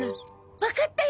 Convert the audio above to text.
わかったよ。